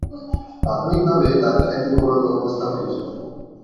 প্রাথমিকভাবে তার খ্যাতি মূলত উপস্থাপক হিসেবে।